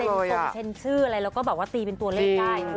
แจ๊กกะลินจะได้มันโจรย์ไหม